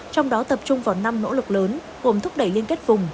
trong đó tập trung vào năm nỗ lực lớn gồm thúc đẩy liên kết vùng